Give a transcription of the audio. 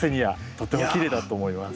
とってもきれいだと思います。